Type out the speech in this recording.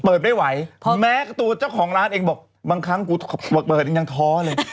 เปิดไม่ไหวแม้ตัวเจ้าของร้านเองบอกบางครั้งกูเปิดเองยังท้อเลย